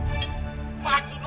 tidak tidak tidak